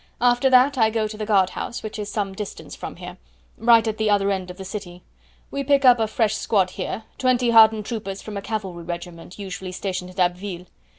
After that I go to the guard house, which is some distance from here, right at the other end of the city. We pick up a fresh squad here, twenty hardened troopers from a cavalry regiment usually stationed at Abbeville.